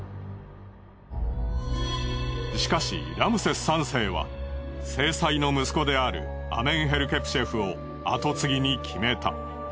しかしラムセス３世は正妻の息子であるアメンヘルケプシェフを跡継ぎに決めた。